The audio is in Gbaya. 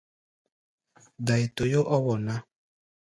Dai-toyó ɔ́ wɔ ná.